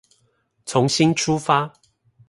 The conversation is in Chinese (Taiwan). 從心出發